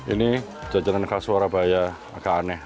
ini jajanan hasurabaya agak aneh